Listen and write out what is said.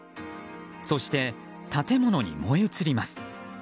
そして建物に燃え移ります。